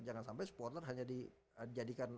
jangan sampai supporter hanya dijadikan